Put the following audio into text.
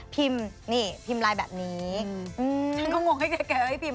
พิมพ์แบบนี้